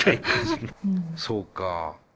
そうか。